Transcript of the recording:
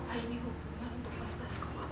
apa ini hubungan untuk bapak skoro